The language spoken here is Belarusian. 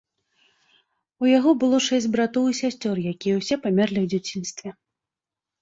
У яго было шэсць братоў і сясцёр, якія ўсе памерлі ў дзяцінстве.